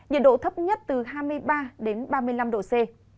nhiệt độ thấp nhất từ hai mươi ba ba mươi năm độ c